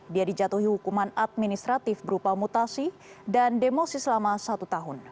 dia dijatuhi hukuman administratif berupa mutasi dan demosi selama satu tahun